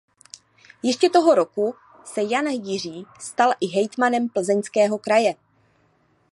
Ještě toho roku se Jan Jiří stal i hejtmanem Plzeňského kraje.